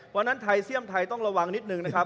เพราะวันนั้นไทยเสี่ยมไทยต้องระวังนิดนึงนะครับ